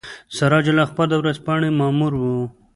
سراج الاخبار د ورځپاڼې مامور وو.